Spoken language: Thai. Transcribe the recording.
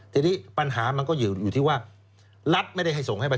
ทีนี้ปัญหามันก็อยู่ที่ว่ารัฐไม่ได้ให้ส่งให้ไป